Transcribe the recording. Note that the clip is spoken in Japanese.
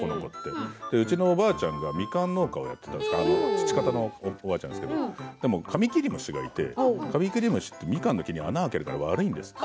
うちのおばあちゃんがみかん農家をやっていて父方のおばあちゃんですけどカミキリムシがいてカミキリムシってみかんの木に穴を開ける悪いやつなんです。